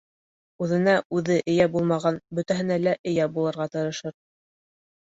Үҙенә-үҙе эйә булмаған бөтәһенә лә эйә булырға тырышыр.